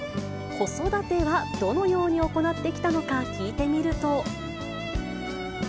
子育てはどのように行ってきたのか、聞いてみると。